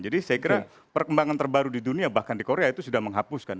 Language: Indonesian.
jadi saya kira perkembangan terbaru di dunia bahkan di korea itu sudah menghapuskan